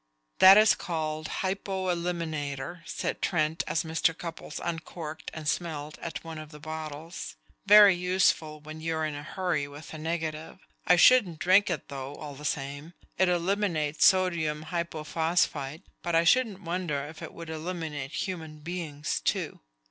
"That is called hypo eliminator," said Trent as Mr. Cupples uncorked and smelled at one of the bottles. "Very useful when you're in a hurry with a negative. I shouldn't drink it, though, all the same. It eliminates sodium hypophosphite, but I shouldn't wonder if it would eliminate human beings too."